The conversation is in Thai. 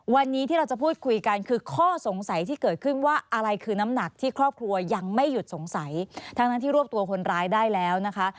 วันนี้ที่เราจะพูดคุยกันคือข้อสงสัยที่เกิดขึ้นว่าอะไรคือน้ำหนักที่ครอบครัวยังไม่หยุดสงสัยทั้งที่รวบตัวคนร้ายได้แล้วนะคะ